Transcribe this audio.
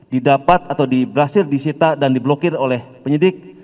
didapat atau diberhasil disita dan diblokir oleh penyidik